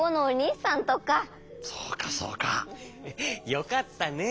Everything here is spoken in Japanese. よかったね。